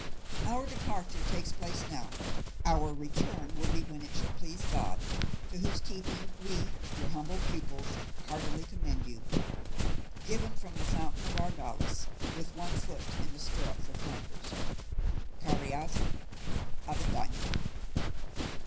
Our departure takes place now; our return will be when it shall please God, to whose keeping, we, your humble pupils, heartily commend you. Given from the fountain of Argales, with one foot in the stirrup for Flanders. "CARRIAZO, "AVENDANO."